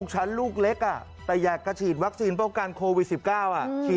ลูกฉันลูกเล็กแต่อยากกระฉีดวัคซีนโปรการโควิด๑๙ฉีดอะไรดี